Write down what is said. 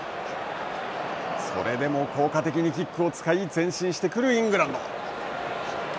それでも効果的にキックを使い前進してくるイングランド。